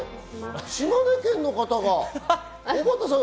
島根県の方が、小幡さん。